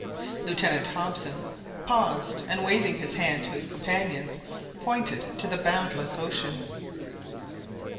Lieutenant Hobson paused, and waving his hand to his companions, pointed to the boundless ocean.